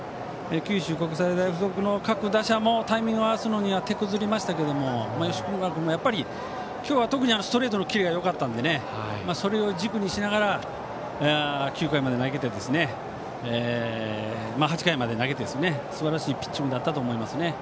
九州国際大付属の各打者もタイミングを合わせるのにはてこずりましたが吉村君もやっぱり今日は特にストレートのキレがよかったのでそれを軸にしながら８回まで投げてすばらしいピッチングだったと思います。